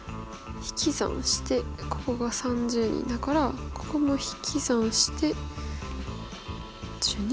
引き算してここが３０人だからここも引き算して１２。